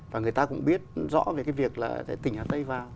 và người ta cũng biết rõ về cái việc là tỉnh hà tây vào